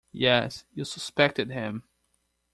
Yes, you suspected him.